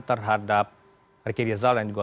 terhadap ricky rizal dan juga